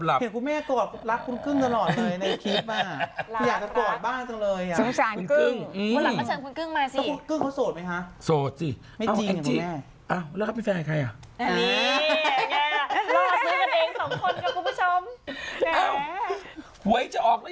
เห็นคุณแม่กลอดรักคุณกึ่งตลอดเลยในคลิปน่ะบอลบ้างจังเลย